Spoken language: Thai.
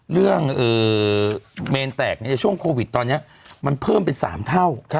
เมนแตกในช่วงโควิดตอนนี้มันเพิ่มเป็น๓เท่า